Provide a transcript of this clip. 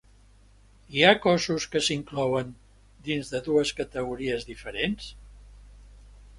Hi ha cossos que s'inclouen dins de dues categories diferents?